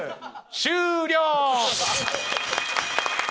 終了！